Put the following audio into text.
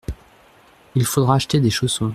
Il faudra acheter des chaussons.